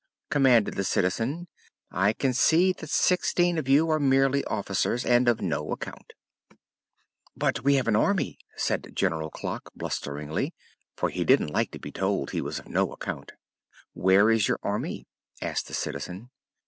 commanded the Citizen. "I can see that sixteen of you are merely officers, and of no account." "But we have an Army," said General Clock, blusteringly, for he didn't like to be told he was of no account. "Where is your Army?" asked the Citizen.